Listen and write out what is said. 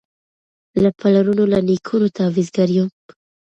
له پلرونو له نیکونو تعویذګر یم